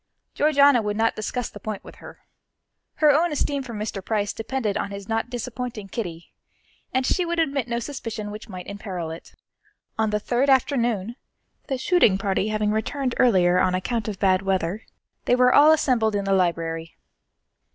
Georgiana would not discuss the point with her. Her own esteem for Mr. Price depended on his not disappointing Kitty, and she would admit no suspicion which might imperil it. On the third afternoon, the shooting party having returned earlier on account of bad weather, they were all assembled in the library.